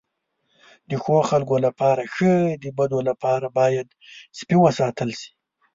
د ښو خلکو لپاره ښه، د بدو لپاره باید سپي وساتل شي.